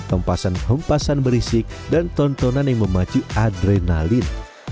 tempasan tempasan berisik dan tontonan yang memacu adrenalin